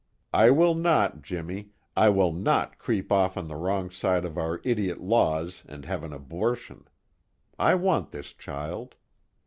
I will not, Jimmy I will not creep off on the wrong side of our idiot laws and have an abortion. I want this child.